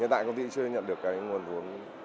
hiện tại công ty chưa nhận được cái nguồn vốn